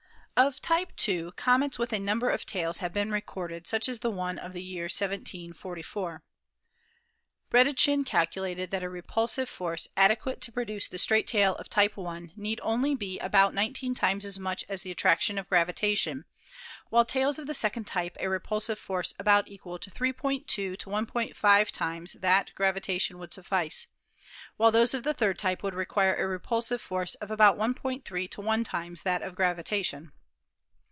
Of Type 2, comets with a number of tails have been recorded, such as the one of the year 1744. Bredichin calculated that a repulsive force adequate to produce the straight tail of Type 1 need only be about 19 times as much as the attraction of gravitation, while tails of the second type a repulsive force about equal to 3.2 to 1.5 times that gravitation would suffice, while those of the third type would require a repulsive force about 1.3 to 1 times that of gravitation.